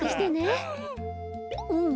うん。